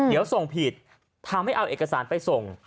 เดี๋ยวส่งผิดทำให้เอาเอกสารไปส่ง